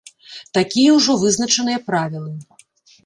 Такія ўжо вызначаныя правілы.